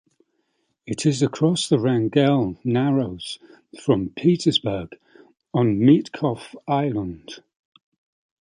It is across the Wrangell Narrows from Petersburg on Mitkof Island.